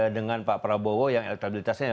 dengan pak prabowo yang elektabilitasnya